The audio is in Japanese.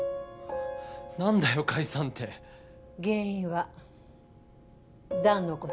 何だよ解散って原因は弾のこと？